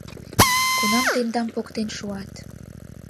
Кунам тендам поктен шуат?